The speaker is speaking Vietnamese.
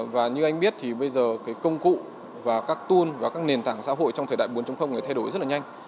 và như anh biết thì bây giờ cái công cụ và các tool và các nền tảng xã hội trong thời đại bốn này thay đổi rất là nhanh